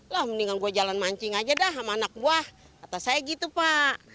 lah mendingan gue jalan mancing aja dah sama anak buah atau saya gitu pak